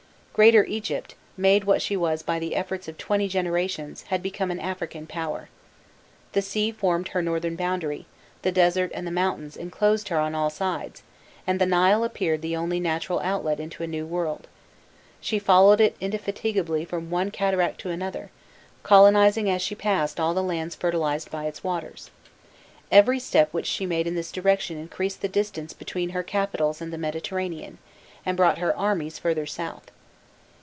Greater Egypt, made what she was by the efforts of twenty generations, had become an African power. The sea formed her northern boundary, the desert and the mountains enclosed her on all sides, and the Nile appeared the only natural outlet into a new world: she followed it indefatigably from one cataract to another, colonizing as she passed all the lands fertilized by its waters. Every step which she made in this direction increased the distance between her capitals and the Mediterranean, and brought her armies further south.